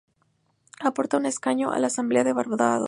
Aporta un escaño a la Asamblea de Barbados.